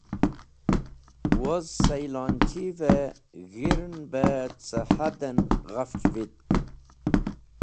Woz saylonchi’v-e g̃hirn be ce had en ghafch vitk.